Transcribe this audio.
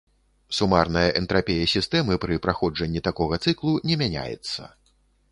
Сумарная энтрапія сістэмы пры праходжанні такога цыклу не мяняецца.